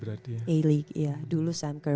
berarti ya iya dulu sam kerr